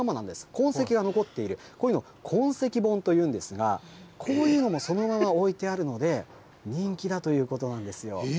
痕跡が残っている、こういうの痕跡本というんですが、こういうのもそのまま置いてあるので、人気だということなんですよ。